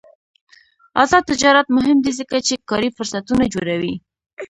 آزاد تجارت مهم دی ځکه چې کاري فرصتونه جوړوي.